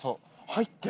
入ってる。